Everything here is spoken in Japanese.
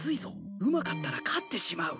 うまかったら勝ってしまう。